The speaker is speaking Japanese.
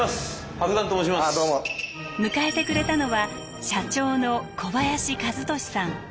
迎えてくれたのは社長の小林一俊さん。